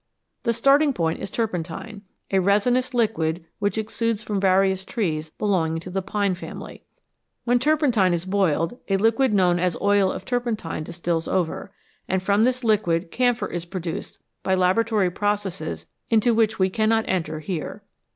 The starting point is turpentine a resinous liquid which exudes from various trees belonging to the pine family. When turpentine is boiled, a liquid known as " oil of turpentine " distils over, and from this liquid camphor is produced by laboratory processes into which we cannot enter here.